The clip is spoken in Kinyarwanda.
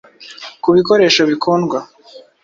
ku bikoresho bikundwa